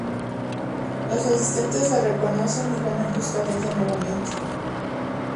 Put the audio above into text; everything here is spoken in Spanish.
Los asistentes la reconocen y van en busca de ella nuevamente.